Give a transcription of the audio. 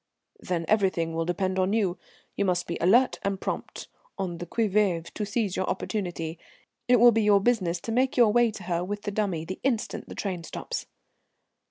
"Then everything will depend on you. You must be alert and prompt, on the qui vive to seize your opportunity. It will be your business to make your way to her with the dummy the instant the train stops."